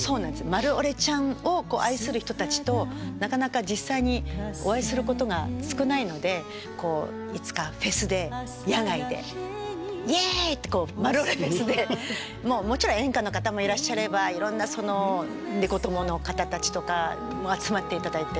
マルオレちゃんを愛する人たちとなかなか実際にお会いすることが少ないのでこういつかフェスで野外でイエイってこうマルオレフェスでもちろん演歌の方もいらっしゃればいろんなその猫友の方たちとか集まっていただいて。